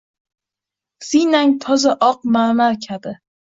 Siynang toza oq marmar kabi